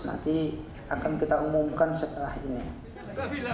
nanti akan kita umumkan setelah ini